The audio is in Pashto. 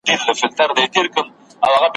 بریالي وه له دې فتحي یې زړه ښاد وو `